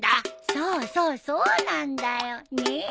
そうそうそうなんだよねえ。